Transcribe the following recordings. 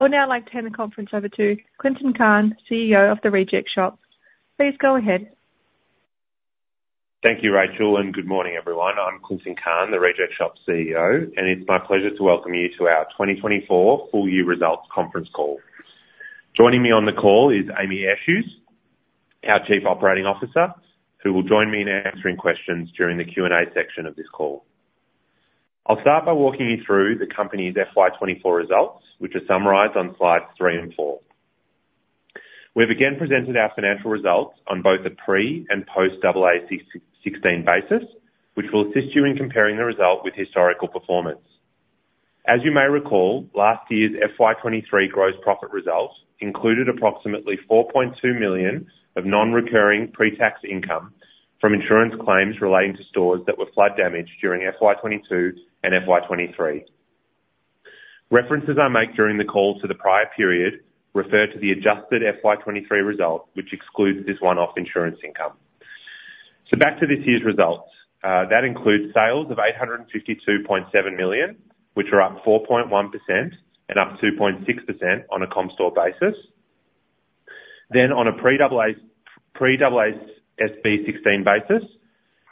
I would now like to turn the conference over to Clinton Cahn, CEO of The Reject Shop. Please go ahead. Thank you, Rachel, and good morning, everyone. I'm Clinton Cahn, The Reject Shop's CEO, and it's my pleasure to welcome you to our 2024 full year results conference call. Joining me on the call is Amy Eshuys, our Chief Operating Officer, who will join me in answering questions during the Q&A section of this call. I'll start by walking you through the company's FY 2024 results, which are summarized on slides three and four. We've again presented our financial results on both a pre and post AASB 16 basis, which will assist you in comparing the result with historical performance. As you may recall, last year's FY 2023 gross profit results included approximately 4.2 million of non-recurring pre-tax income from insurance claims relating to stores that were flood damaged during FY 2022 and FY 2023. References I make during the call to the prior period refer to the adjusted FY 2023 result, which excludes this one-off insurance income, so back to this year's results. That includes sales of 852.7 million, which are up 4.1% and up 2.6% on a comp store basis. On a pre-AASB 16 basis,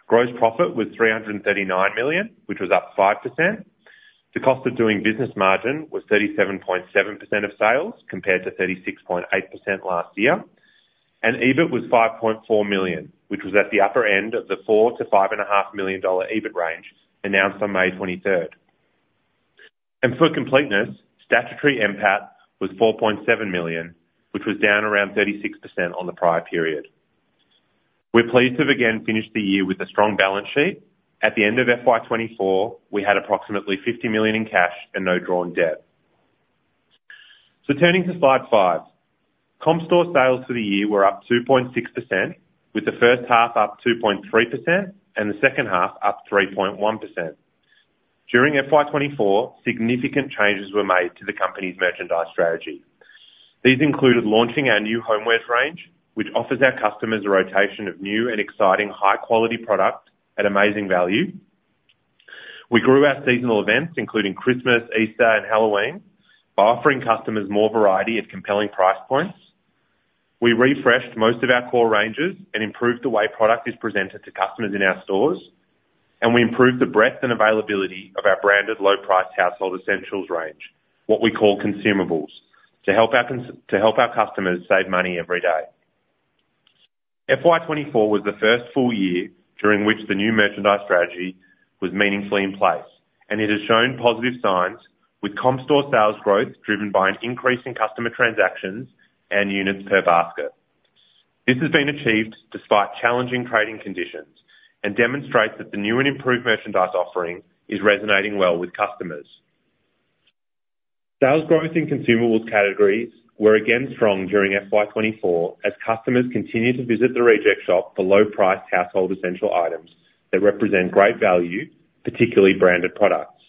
gross profit was AUD 339 million, which was up 5%. The cost of doing business margin was 37.7% of sales, compared to 36.8% last year, and EBIT was 5.4 million, which was at the upper end of the 4 million dollar to AUD 5.5 million EBIT range announced on May 23rd, and for completeness, statutory NPAT was 4.7 million, which was down around 36% on the prior period. We're pleased to have again finished the year with a strong balance sheet. At the end of FY 2024, we had approximately 50 million in cash and no drawn debt. So turning to slide 5. Comp store sales for the year were up 2.6%, with the first half up 2.3% and the second half up 3.1%. During FY 2024, significant changes were made to the company's merchandise strategy. These included launching our new homewares range, which offers our customers a rotation of new and exciting high-quality product at amazing value. We grew our seasonal events, including Christmas, Easter, and Halloween, by offering customers more variety at compelling price points. We refreshed most of our core ranges and improved the way product is presented to customers in our stores, and we improved the breadth and availability of our branded low-priced household essentials range, what we call consumables, to help our customers save money every day. FY 2024 was the first full year during which the new merchandise strategy was meaningfully in place, and it has shown positive signs with comp store sales growth, driven by an increase in customer transactions and units per basket. This has been achieved despite challenging trading conditions and demonstrates that the new and improved merchandise offering is resonating well with customers. Sales growth in consumables categories were again strong during FY 2024, as customers continued to visit The Reject Shop for low-priced household essential items that represent great value, particularly branded products.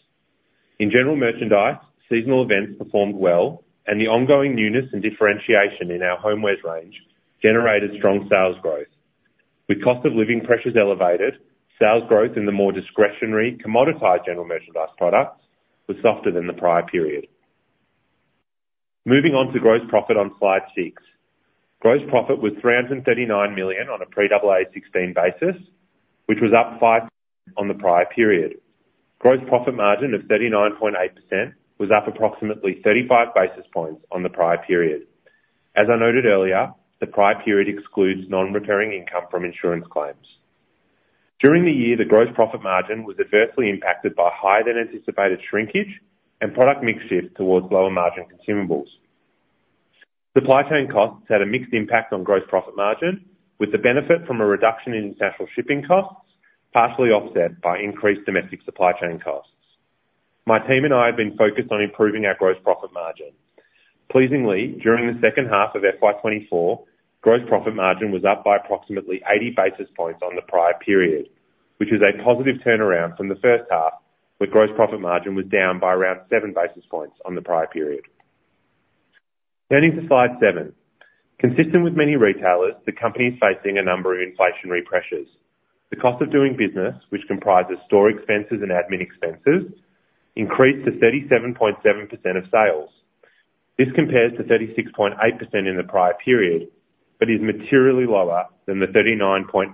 In general merchandise, seasonal events performed well, and the ongoing newness and differentiation in our homewares range generated strong sales growth. With cost of living pressures elevated, sales growth in the more discretionary, commoditized general merchandise products was softer than the prior period. Moving on to gross profit on Slide 6. Gross profit was 339 million on a pre-AASB 16 basis, which was up 5 on the prior period. Gross profit margin of 39.8% was up approximately 35 basis points on the prior period. As I noted earlier, the prior period excludes non-recurring income from insurance claims. During the year, the gross profit margin was adversely impacted by higher than anticipated shrinkage and product mix shift towards lower margin consumables. Supply chain costs had a mixed impact on gross profit margin, with the benefit from a reduction in international shipping costs, partially offset by increased domestic supply chain costs. My team and I have been focused on improving our gross profit margin. Pleasingly, during the second half of FY 2024, gross profit margin was up by approximately 80 basis points on the prior period, which is a positive turnaround from the first half, where gross profit margin was down by around 7 basis points on the prior period. Turning to Slide 7. Consistent with many retailers, the company is facing a number of inflationary pressures. The cost of doing business, which comprises store expenses and admin expenses, increased to 37.7% of sales. This compares to 36.8% in the prior period, but is materially lower than the 39.9%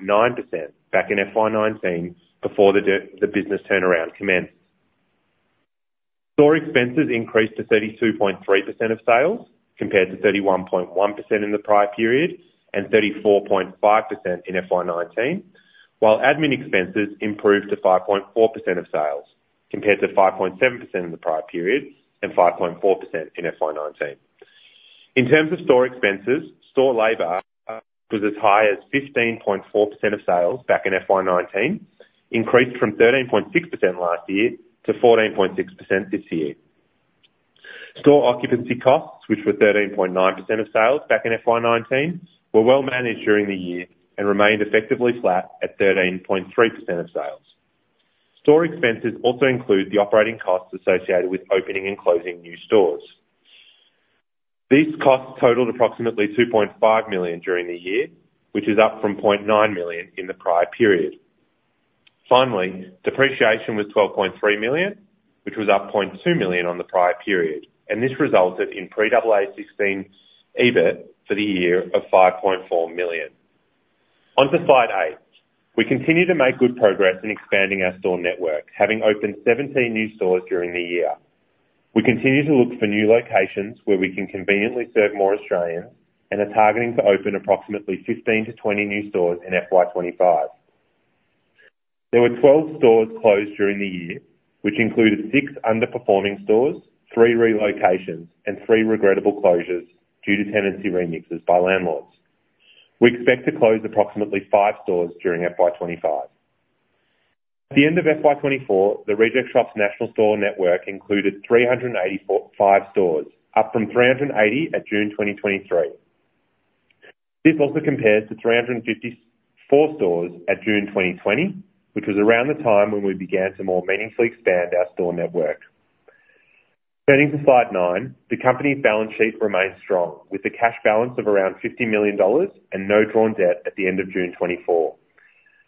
back in FY 2019 before the business turnaround commenced. Store expenses increased to 32.3% of sales, compared to 31.1% in the prior period and 34.5% in FY 2019, while admin expenses improved to 5.4% of sales, compared to 5.7% in the prior period and 5.4% in FY 2019. In terms of store expenses, store labor was as high as 15.4% of sales back in FY 2019, increased from 13.6% last year to 14.6% this year. Store occupancy costs, which were 13.9% of sales back in FY 2019, were well managed during the year and remained effectively flat at 13.3% of sales. Store expenses also include the operating costs associated with opening and closing new stores. These costs totaled approximately AUD 2.5 million during the year, which is up from AUD 0.9 million in the prior period. Finally, depreciation was AUD 12.3 million, which was up AUD 0.2 million on the prior period, and this resulted in pre-AASB 16 EBIT for the year of 5.4 million. On to slide 8. We continue to make good progress in expanding our store network, having opened 17 new stores during the year. We continue to look for new locations where we can conveniently serve more Australians, and are targeting to open approximately 15-20 new stores in FY 2025. There were 12 stores closed during the year, which included six underperforming stores, three relocations, and three regrettable closures due to tenancy remixes by landlords. We expect to close approximately five stores during FY 2025. At the end of FY 2024, The Reject Shop's national store network included 385 stores, up from 380 at June 2023. This also compares to 354 stores at June 2020, which was around the time when we began to more meaningfully expand our store network. Turning to slide nine, the company's balance sheet remains strong, with a cash balance of around AUD 50 million and no drawn debt at the end of June 2024.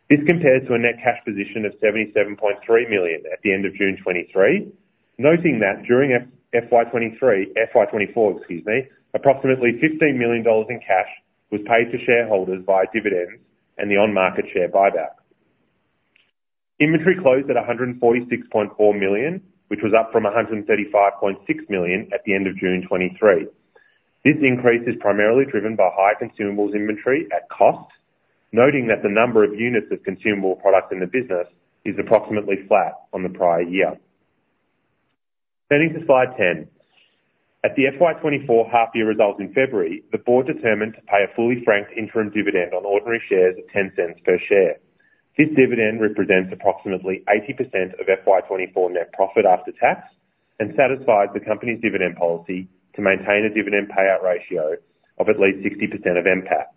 This compares to a net cash position of AUD 77.3 million at the end of June 2023. Noting that during FY 2024, excuse me, approximately 15 million dollars in cash was paid to shareholders via dividends and the on-market share buyback. Inventory closed at 146.4 million, which was up from 135.6 million at the end of June 2023. This increase is primarily driven by high consumables inventory at cost, noting that the number of units of consumable products in the business is approximately flat on the prior year. Turning to slide 10. At the FY 2024 half year results in February, the board determined to pay a fully franked interim dividend on ordinary shares of 0.10 per share. This dividend represents approximately 80% of FY 2024 net profit after tax, and satisfies the company's dividend policy to maintain a dividend payout ratio of at least 60% of NPAT.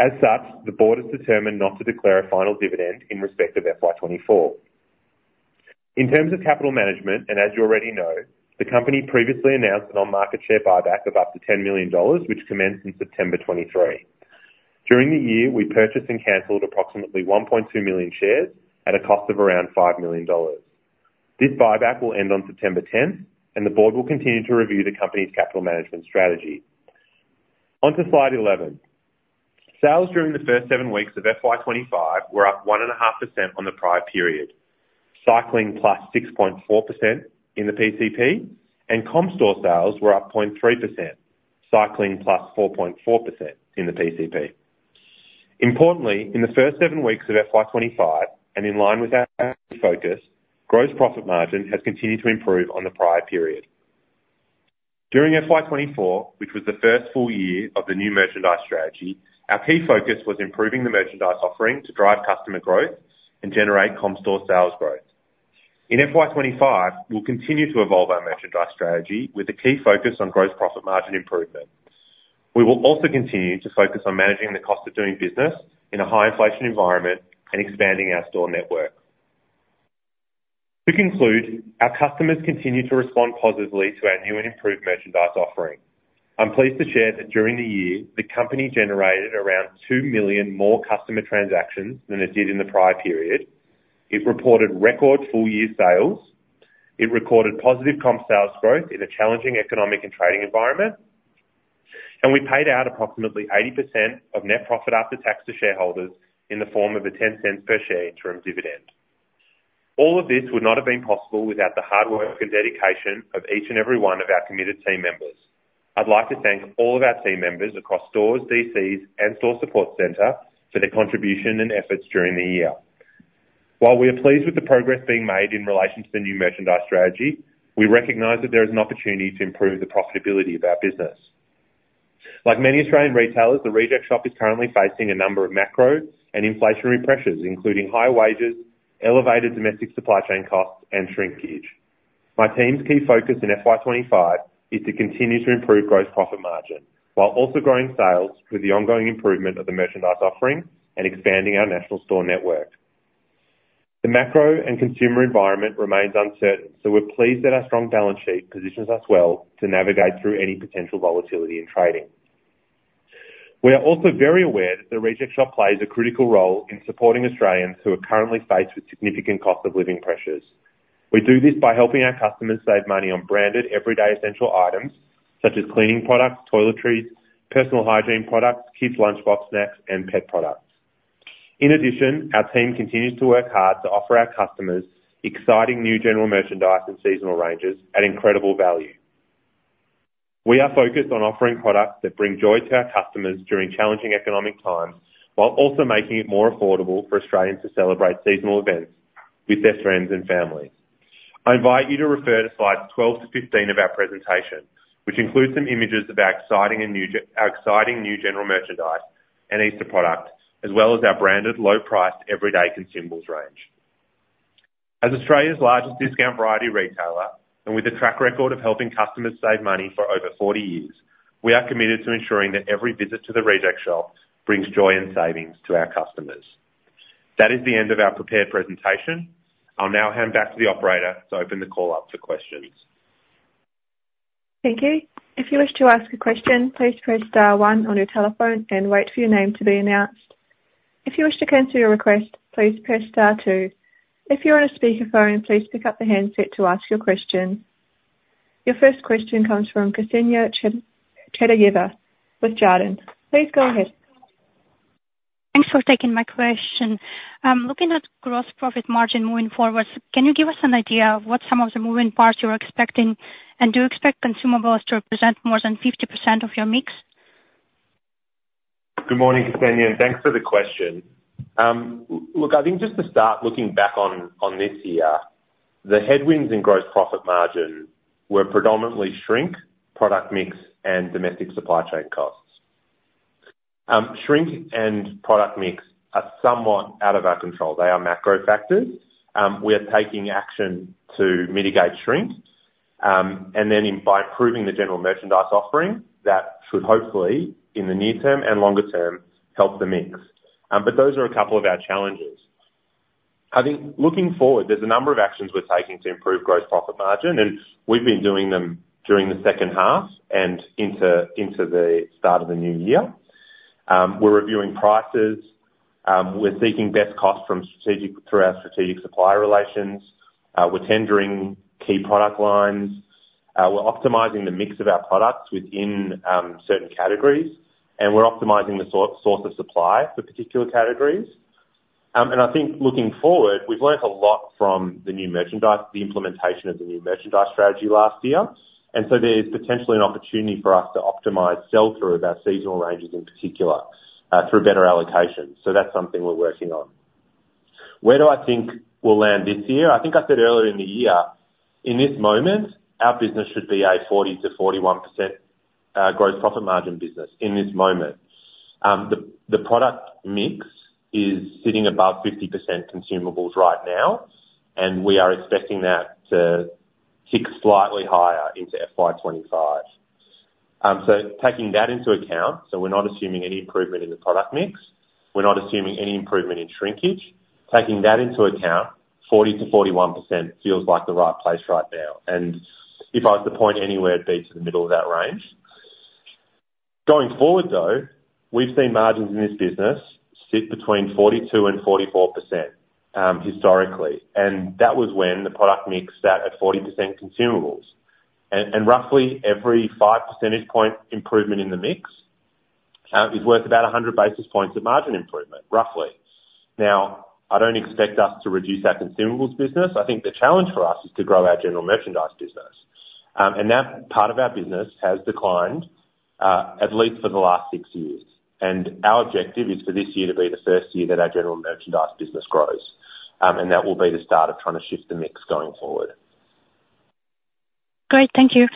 As such, the board has determined not to declare a final dividend in respect of FY 2024. In terms of capital management, and as you already know, the company previously announced an on-market share buyback of up to 10 million dollars, which commenced in September 2023. During the year, we purchased and canceled approximately 1.2 million shares at a cost of around 5 million dollars. This buyback will end on September 10th, and the board will continue to review the company's capital management strategy. On to slide eleven. Sales during the first seven weeks of FY 2025 were up 1.5% on the prior period, cycling +6.4% in the PCP, and comp store sales were up 0.3%, cycling +4.4% in the PCP. Importantly, in the first seven weeks of FY 2025, and in line with our focus, gross profit margin has continued to improve on the prior period. During FY 2024, which was the first full year of the new merchandise strategy, our key focus was improving the merchandise offering to drive customer growth and generate comp store sales growth. In FY 2025, we'll continue to evolve our merchandise strategy with a key focus on gross profit margin improvement. We will also continue to focus on managing the cost of doing business in a high inflation environment and expanding our store network. To conclude, our customers continue to respond positively to our new and improved merchandise offering. I'm pleased to share that during the year, the company generated around two million more customer transactions than it did in the prior period. It reported record full year sales. It recorded positive comp sales growth in a challenging economic and trading environment, and we paid out approximately 80% of net profit after tax to shareholders in the form of a 0.10 per share interim dividend. All of this would not have been possible without the hard work and dedication of each and every one of our committed team members. I'd like to thank all of our team members across stores, DCs, and store support center for their contribution and efforts during the year. While we are pleased with the progress being made in relation to the new merchandise strategy, we recognize that there is an opportunity to improve the profitability of our business. Like many Australian retailers, The Reject Shop is currently facing a number of macro and inflationary pressures, including high wages, elevated domestic supply chain costs, and shrinkage. My team's key focus in FY twenty-five is to continue to improve gross profit margin, while also growing sales with the ongoing improvement of the merchandise offering and expanding our national store network. The macro and consumer environment remains uncertain, so we're pleased that our strong balance sheet positions us well to navigate through any potential volatility in trading. We are also very aware that The Reject Shop plays a critical role in supporting Australians who are currently faced with significant cost of living pressures. We do this by helping our customers save money on branded, everyday essential items, such as cleaning products, toiletries, personal hygiene products, kids' lunch box snacks, and pet products. In addition, our team continues to work hard to offer our customers exciting new general merchandise and seasonal ranges at incredible value. We are focused on offering products that bring joy to our customers during challenging economic times, while also making it more affordable for Australians to celebrate seasonal events with their friends and family. I invite you to refer to slides 12-15 of our presentation, which includes some images of our exciting new general merchandise and Easter products, as well as our branded, low-priced, everyday consumables range. As Australia's largest discount variety retailer, and with a track record of helping customers save money for over forty years, we are committed to ensuring that every visit to The Reject Shop brings joy and savings to our customers. That is the end of our prepared presentation. I'll now hand back to the operator to open the call up for questions.... Thank you. If you wish to ask a question, please press star one on your telephone and wait for your name to be announced. If you wish to cancel your request, please press star two. If you're on a speakerphone, please pick up the handset to ask your question. Your first question comes from Kseniya Chadayevawith Jarden. Please go ahead. Thanks for taking my question. Looking at gross profit margin moving forward, can you give us an idea of what some of the moving parts you're expecting?, and do you expect consumables to represent more than 50% of your mix? Good morning, Kseniya, and thanks for the question. Look, I think just to start looking back on this year, the headwinds in gross profit margin were predominantly shrink, product mix, and domestic supply chain costs. Shrink and product mix are somewhat out of our control. They are macro factors. We are taking action to mitigate shrink, and then by improving the general merchandise offering, that should hopefully, in the near term and longer term, help the mix, but those are a couple of our challenges. I think looking forward, there's a number of actions we're taking to improve gross profit margin, and we've been doing them during the second half and into the start of the new year. We're reviewing prices. We're seeking best cost from strategic through our strategic supplier relations. We're tendering key product lines. We're optimizing the mix of our products within certain categories, and we're optimizing the source of supply for particular categories. And I think looking forward, we've learned a lot from the new merchandise, the implementation of the new merchandise strategy last year, and so there's potentially an opportunity for us to optimize sell-through of our seasonal ranges in particular through better allocation. So that's something we're working on. Where do I think we'll land this year? I think I said earlier in the year, in this moment, our business should be a 40%-41% gross profit margin business, in this moment. The product mix is sitting above 50% consumables right now, and we are expecting that to tick slightly higher into FY 2025. So taking that into account, so we're not assuming any improvement in the product mix. We're not assuming any improvement in shrinkage. Taking that into account, 40%-41% feels like the right place right now, and if I was to point anywhere, it'd be to the middle of that range. Going forward, though, we've seen margins in this business sit between 42% and 44%, historically, and that was when the product mix sat at 40% consumables. And roughly every five percentage point improvement in the mix is worth about 100 basis points of margin improvement, roughly. Now, I don't expect us to reduce our consumables business. I think the challenge for us is to grow our general merchandise business. And that part of our business has declined, at least for the last six years. And our objective is for this year to be the first year that our general merchandise business grows. And that will be the start of trying to shift the mix going forward. Great. Thank you.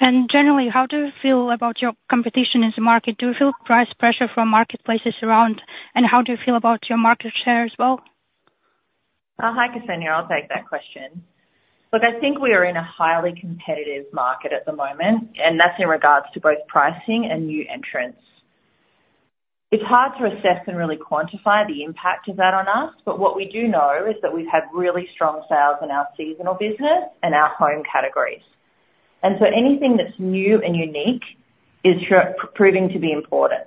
And generally, how do you feel about your competition in the market? Do you feel price pressure from marketplaces around, and how do you feel about your market share as well? Hi, Ksenia, I'll take that question. Look, I think we are in a highly competitive market at the moment, and that's in regards to both pricing and new entrants. It's hard to assess and really quantify the impact of that on us, but what we do know is that we've had really strong sales in our seasonal business and our home categories, and so anything that's new and unique is proving to be important.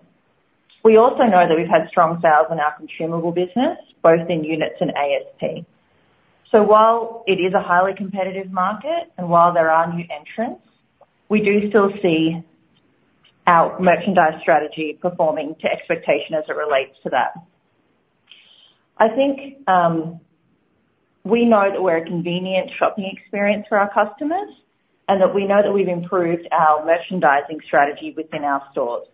We also know that we've had strong sales in our consumable business, both in units and ASP, so while it is a highly competitive market, and while there are new entrants, we do still see our merchandise strategy performing to expectation as it relates to that. I think we know that we're a convenient shopping experience for our customers, and that we know that we've improved our merchandising strategy within our stores.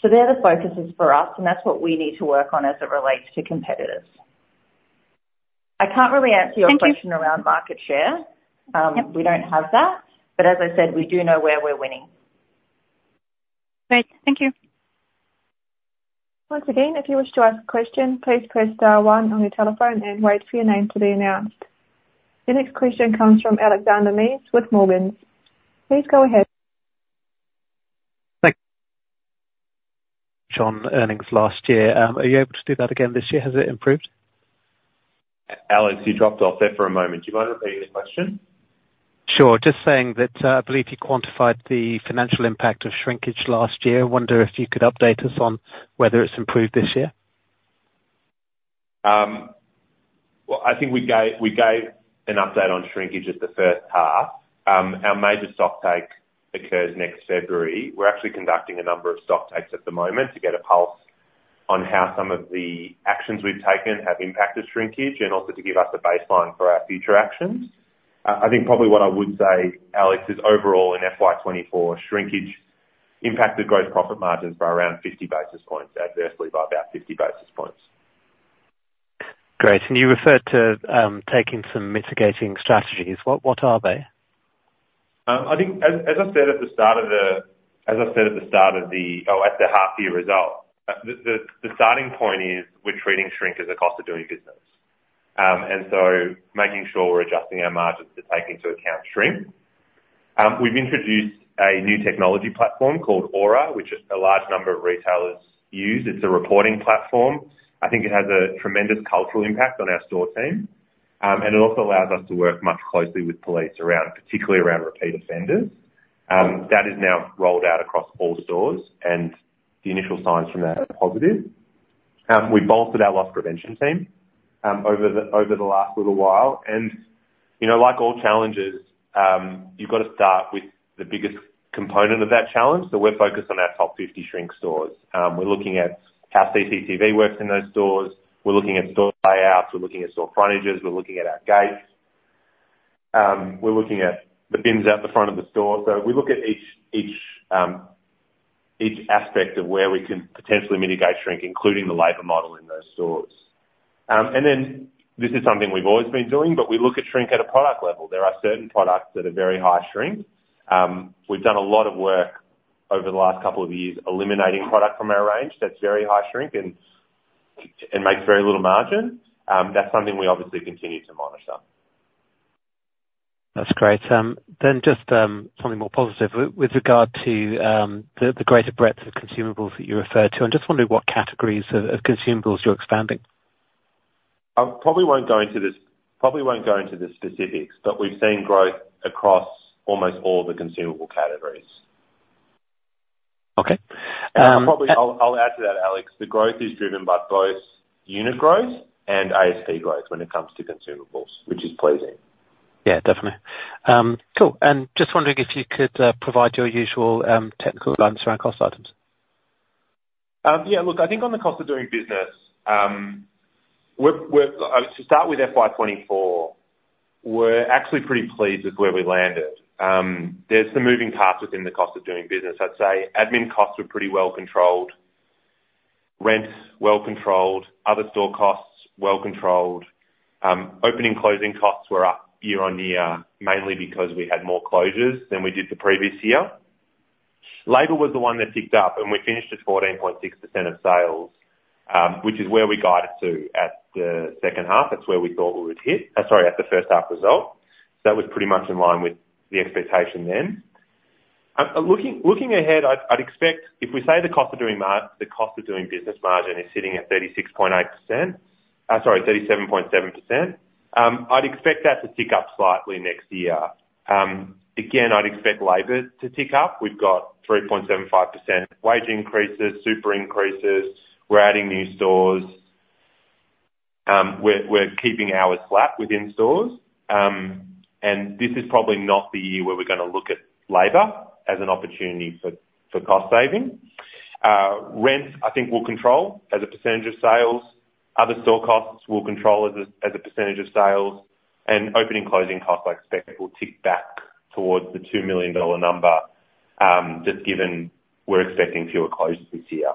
So they're the focuses for us, and that's what we need to work on as it relates to competitors. I can't really answer your- Thank you. Question around market share. We don't have that, but as I said, we do know where we're winning. Great. Thank you. Once again, if you wish to ask a question, please press star one on your telephone and wait for your name to be announced. The next question comes from Alexander Mees with Morgans. Please go ahead. Thank you.... On earnings last year. Are you able to do that again this year? Has it improved? Alex, you dropped off there for a moment. Do you mind repeating the question? Sure. Just saying that, I believe you quantified the financial impact of shrinkage last year. I wonder if you could update us on whether it's improved this year. Well, I think we gave an update on shrinkage at the first half. Our major stocktake occurs next February. We're actually conducting a number of stocktakes at the moment to get a pulse on how some of the actions we've taken have impacted shrinkage and also to give us a baseline for our future actions. I think probably what I would say, Alex, is overall in FY 2024, shrinkage impacted gross profit margins by around fifty basis points, adversely by about fifty basis points. Great. And you referred to taking some mitigating strategies. What are they? I think at the half year results, the starting point is we're treating shrink as a cost of doing business, and so making sure we're adjusting our margins to take into account shrink. We've introduced a new technology platform called Auror, which a large number of retailers use. It's a reporting platform. I think it has a tremendous cultural impact on our store team. And it also allows us to work much closely with police around, particularly around repeat offenders. That is now rolled out across all stores, and the initial signs from that are positive. We've bolstered our loss prevention team over the last little while, and you know, like all challenges, you've got to start with the biggest component of that challenge, so we're focused on our top fifty shrink stores. We're looking at how CCTV works in those stores. We're looking at store layouts, we're looking at store frontages, we're looking at our gates. We're looking at the bins out the front of the store. So we look at each aspect of where we can potentially mitigate shrink, including the labor model in those stores, and then this is something we've always been doing, but we look at shrink at a product level. There are certain products that are very high shrink. We've done a lot of work over the last couple of years, eliminating product from our range that's very high shrink and makes very little margin. That's something we obviously continue to monitor. That's great. Then just something more positive. With regard to the greater breadth of consumables that you referred to. I'm just wondering what categories of consumables you're expanding? I probably won't go into the specifics, but we've seen growth across almost all the consumable categories. Okay, um- Probably I'll add to that, Alex, the growth is driven by both unit growth and ASP growth when it comes to consumables, which is pleasing. Yeah, definitely. Cool. And just wondering if you could provide your usual technical guidance around cost items. Yeah, look, I think on the cost of doing business, we're to start with FY 2024, we're actually pretty pleased with where we landed. There's some moving parts within the cost of doing business. I'd say admin costs were pretty well controlled. Rents, well controlled. Other store costs, well controlled. Opening/closing costs were up year-on-year, mainly because we had more closures than we did the previous year. Labor was the one that ticked up, and we finished at 14.6% of sales, which is where we guided to at the second half. That's where we thought we would hit at the first half result. So that was pretty much in line with the expectation then. Looking ahead, I'd expect if we say the cost of doing business margin is sitting at 36.8%, sorry, 37.7%, I'd expect that to tick up slightly next year. Again, I'd expect labor to tick up. We've got 3.75% wage increases, super increases. We're adding new stores. We're keeping hours flat within stores. And this is probably not the year where we're gonna look at labor as an opportunity for cost saving. Rent, I think will control as a percentage of sales. Other store costs will control as a percentage of sales, and opening and closing costs, I expect, will tick back towards the 2 million dollar number, just given we're expecting fewer closures this year.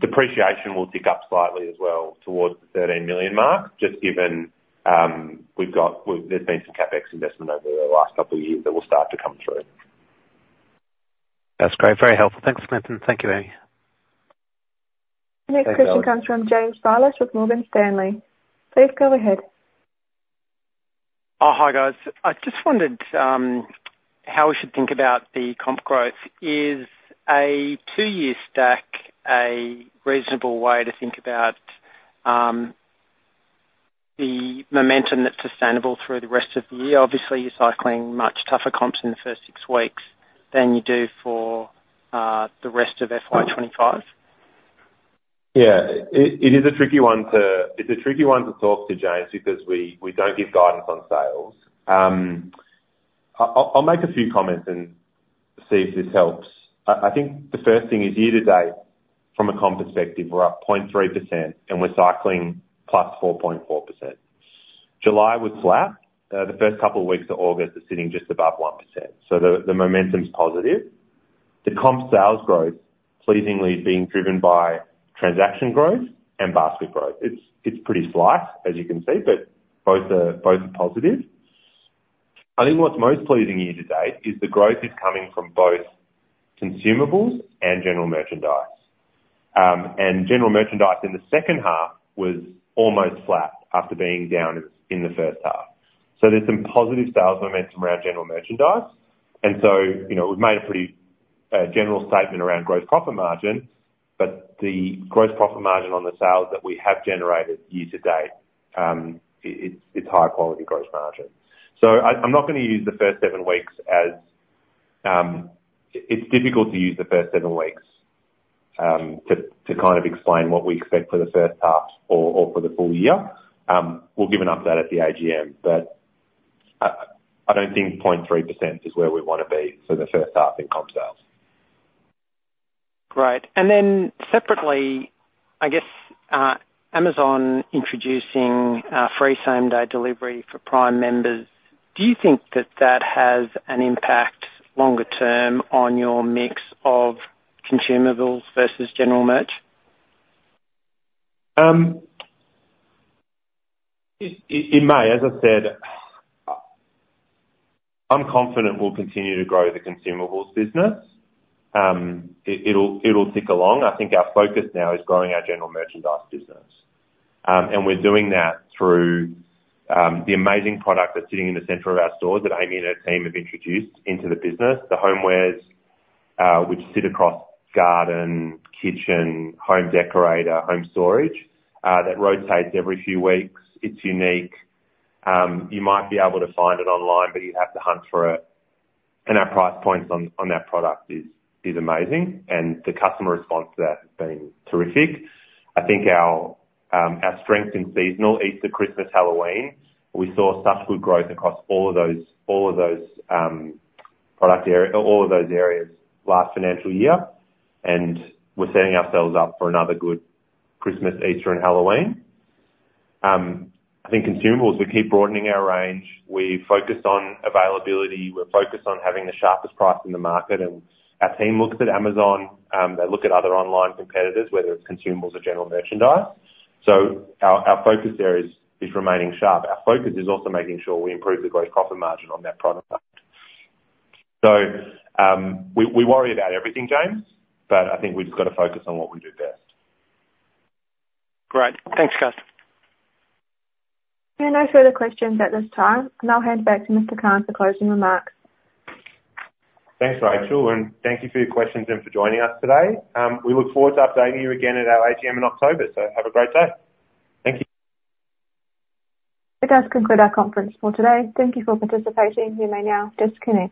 Depreciation will tick up slightly as well towards the 13 million mark, just given, we've got, there's been some CapEx investment over the last couple of years that will start to come through. That's great. Very helpful. Thanks, Clinton Cahn. Thank you, Amy Eshuys. The next question comes from James Bales with Morgan Stanley. Please go ahead. Hi, guys. I just wondered how we should think about the comp growth. Is a two-year stack a reasonable way to think about the momentum that's sustainable through the rest of the year? Obviously, you're cycling much tougher comps in the first six weeks than you do for the rest of FY 2025. Yeah, it is a tricky one to talk to, James, because we don't give guidance on sales. I'll make a few comments and see if this helps. I think the first thing is, year to date, from a comp perspective, we're up 0.3%, and we're cycling +4.4%. July was flat. The first couple of weeks of August are sitting just above 1%, so the momentum's positive. The comp sales growth, pleasingly, is being driven by transaction growth and basket growth. It's pretty slight, as you can see, but both are positive. I think what's most pleasing year to date is the growth is coming from both consumables and general merchandise. And general merchandise in the second half was almost flat after being down in the first half. So there's some positive sales momentum around general merchandise, and so, you know, we've made a pretty general statement around gross profit margin, but the gross profit margin on the sales that we have generated year to date, it's high quality gross margin. So I'm not gonna use the first seven weeks. It's difficult to use the first seven weeks to kind of explain what we expect for the first half or for the full year. We'll give an update at the AGM, but I don't think 0.3% is where we want to be for the first half in comp sales. Great. And then separately, I guess, Amazon introducing, free same-day delivery for Prime members, do you think that that has an impact longer term on your mix of consumables versus general merch? It may. As I said, I'm confident we'll continue to grow the consumables business. It'll tick along. I think our focus now is growing our general merchandise business. And we're doing that through the amazing product that's sitting in the center of our stores, that Amy and her team have introduced into the business. The homewares, which sit across garden, kitchen, home decorator, home storage, that rotates every few weeks. It's unique. You might be able to find it online, but you'd have to hunt for it, and our price points on that product is amazing, and the customer response to that has been terrific. I think our strength in seasonal, Easter, Christmas, Halloween. We saw such good growth across all of those areas last financial year, and we're setting ourselves up for another good Christmas, Easter, and Halloween. I think consumables, we keep broadening our range. We're focused on availability. We're focused on having the sharpest price in the market, and our team looks at Amazon. They look at other online competitors, whether it's consumables or general merchandise, so our focus there is remaining sharp. Our focus is also making sure we improve the gross profit margin on that product, so we worry about everything, James, but I think we've just got to focus on what we do best. Great. Thanks, guys. There are no further questions at this time, and I'll hand back to Mr. Cahn for closing remarks. Thanks, Rachel, and thank you for your questions and for joining us today. We look forward to updating you again at our AGM in October, so have a great day. Thank you. This does conclude our conference for today. Thank you for participating. You may now disconnect.